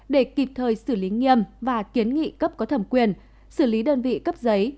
để kịp thời xử lý nghiêm và kiến nghị cấp có thẩm quyền xử lý đơn vị cấp giấy